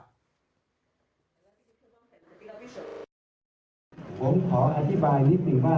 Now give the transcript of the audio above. ผมขออธิบายนิดนึงว่า